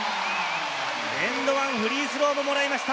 エンドワン、フリースローももらいました。